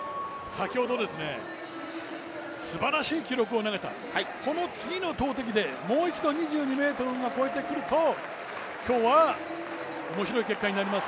先ほどすばらしい記録を投げた、この次の投てきでもう一度２２ｍを越えてくると今日は面白い結果になります。